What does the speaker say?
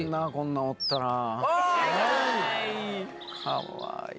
かわいい！